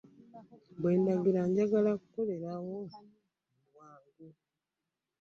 Bwe ndagira njagala okolerewo mu bwangu.